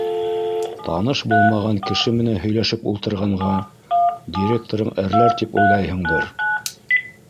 Таныш булмаған кеше менән һөйләшеп ултырғанға директорың әрләр тип уйлайһыңдыр.